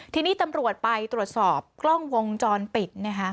ทีนี้ตำรวจไปตรวจสอบกล้องวงจรปิด